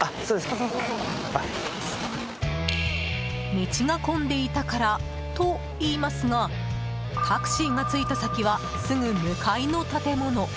道が混んでいたからといいますがタクシーが着いた先はすぐ向かいの建物。